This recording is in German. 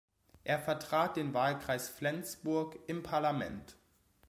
Er vertrat den Wahlkreis Flensburg im Parlament.